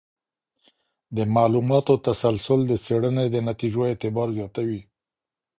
د معلوماتو تسلسل د څېړنې د نتیجو اعتبار زیاتوي.